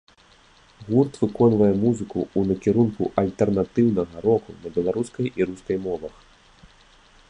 Гурт выконвае музыку ў накірунку альтэрнатыўнага року на беларускай і рускай мовах.